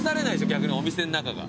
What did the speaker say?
逆にお店ん中が。